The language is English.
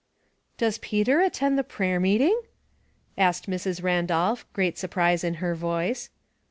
"Does Peter attend the prayer meeting?" arfked Mrs. Randolph, great surprise in her voice.